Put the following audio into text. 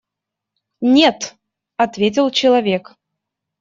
Нет, – ответил человек.